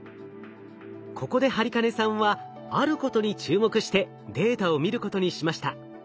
ここで播金さんはあることに注目してデータを見ることにしました。